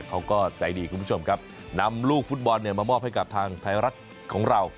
เขาก็ใจดีคุณผู้ชมครับนำลูกฟุตบอลเนี่ยมามอบให้กับทางไทยรัฐของเรา